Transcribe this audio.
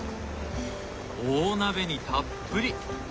大鍋にたっぷり！